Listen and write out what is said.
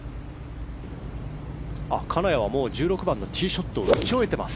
金谷はもう１６番のティーショットを打ち終えています。